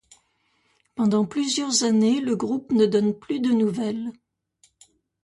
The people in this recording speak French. Pendant plusieurs années, le groupe ne donne plus de nouvelle.